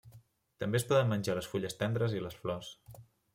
També es poden menjar les fulles tendres i les flors.